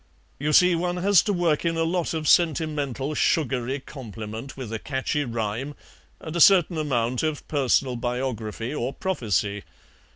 "You see, one has to work in a lot of sentimental, sugary compliment with a catchy rhyme, and a certain amount of personal biography or prophecy.